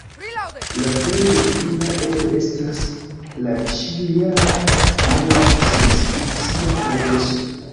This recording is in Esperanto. La plej notinda eble estas la ĉiu-jara Monda Sciencfikcia Kongreso.